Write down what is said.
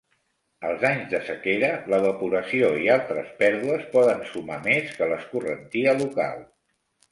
Als anys de sequera, l"evaporació i altres pèrdues poden sumar més que l"escorrentia local.